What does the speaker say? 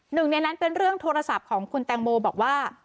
หนึ่งในนั้นเป็นเรื่องโทรศัพท์ของคุณแตงโมบอกว่า